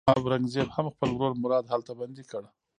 اورنګزېب هم خپل ورور مراد هلته بندي کړ.